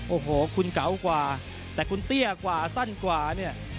โอ้โหคุณเก๋ากว่าแต่คุณเตี้ยกว่าสั้นกว่าเนี่ย